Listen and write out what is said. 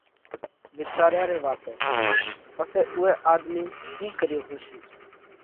وِيچاريا ري واتون پسئہ اُوئہ آۮمِي ڪِي ڪريو هوشي